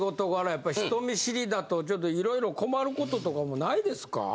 やっぱり人見知りだとちょっと色々困ることとかもないですか？